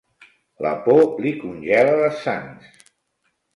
La por li congela les sangs.